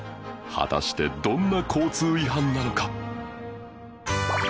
果たしてどんな交通違反なのか